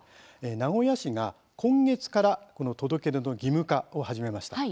名古屋市が今月から届け出の義務化を始めました。